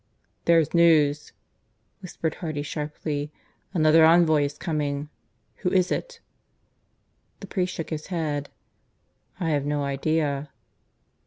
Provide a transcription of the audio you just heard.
"There's news," whispered Hardy sharply. "Another envoy is coming. Who is it?" The priest shook his head. "I have no idea."